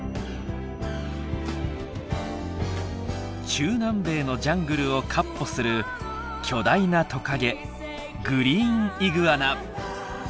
中南米のジャングルをかっ歩する巨大なトカゲグリーンイグアナ。